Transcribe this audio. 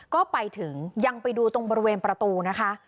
ก็ไปถึงยังไปดูตรงบริเวณประตูนะคะ